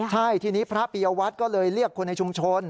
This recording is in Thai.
ใช่ทีนี้พระปียวัตรก็เลยเรียกคนในชุมชน